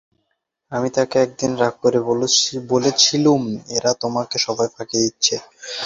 আমি তাঁকে একদিন রাগ করে বলেছিলুম, এরা তোমাকে সবাই ফাঁকি দিচ্ছে।